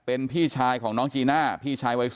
นางนาคะนี่คือยายน้องจีน่าคุณยายถ้าแท้เลย